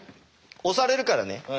押されるからね。